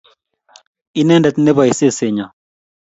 Inendet nebae seset nyo